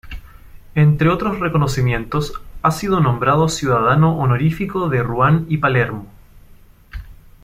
Entre otros reconocimientos, ha sido nombrado ciudadano honorífico de Ruan y Palermo.